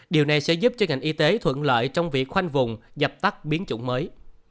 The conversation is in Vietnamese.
điều này sẽ giúp cho ngành y tế thuận lợi trong việc khoanh vùng dập tắt biến chủng mới